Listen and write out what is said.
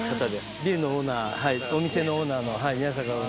ビルのオーナーお店のオーナーの宮坂オーナーです。